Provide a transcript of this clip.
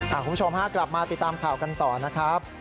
คุณผู้ชมฮะกลับมาติดตามข่าวกันต่อนะครับ